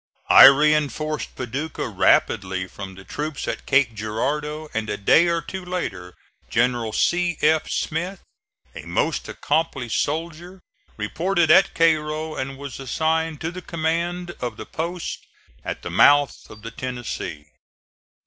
I reinforced Paducah rapidly from the troops at Cape Girardeau; and a day or two later General C. F. Smith, a most accomplished soldier, reported at Cairo and was assigned to the command of the post at the mouth of the Tennessee.